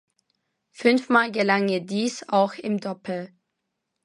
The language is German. Fünfmal gelang ihr dies auch im Doppel.